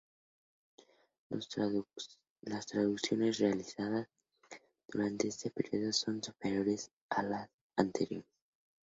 Las traducciones realizadas durante este período son superiores a las anteriores.